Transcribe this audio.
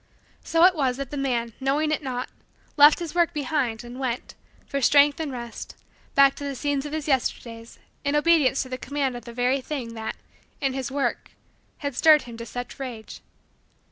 So it was that the man, knowing it not, left his work behind and went, for strength and rest, back to the scenes of his Yesterdays in obedience to the command of the very thing that, in his work, had stirred him to such rage.